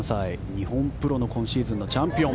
日本プロの今シーズンチャンピオン。